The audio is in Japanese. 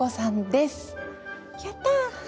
やった！